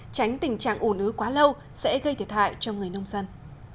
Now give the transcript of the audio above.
tránh tình trạng ủ nứ quá lâu sẽ gây thiệt hại cho người nông dân